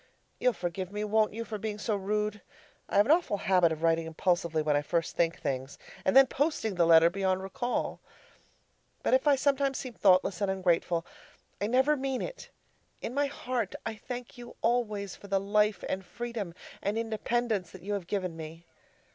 You'll forgive me, won't you, for being so rude? I have an awful habit of writing impulsively when I first think things, and then posting the letter beyond recall. But if I sometimes seem thoughtless and ungrateful, I never mean it. In my heart I thank you always for the life and freedom and independence that you have given me.